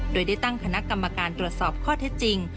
โดยได้ตั้งคณะกรรมการตรวจสอบข้อเท็จจริง